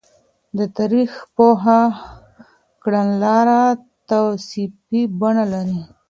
د تاريخ پوه کړنلاره توصيفي بڼه لري.